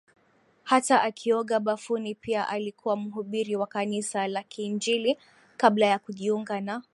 hata akioga bafuni Pia alikuwa mhubiri wa kanisa la kiinjili kabla ya kujiunga na